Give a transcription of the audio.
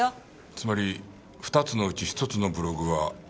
つまり２つのうち１つのブログは偽物という事か。